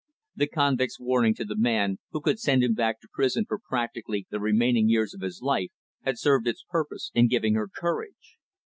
The convict's warning to the man who could send him back to prison for practically the remaining years of his life, had served its purpose in giving her courage.